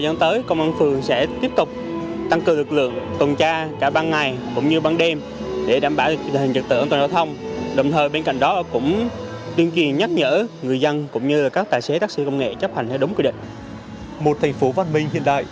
một thành phố văn minh hiện đại